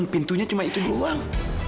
pintunya cuma itu doang